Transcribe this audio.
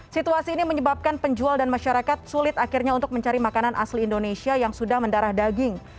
situasi ini menyebabkan penjual dan masyarakat sulit akhirnya untuk mencari makanan asli indonesia yang sudah mendarah daging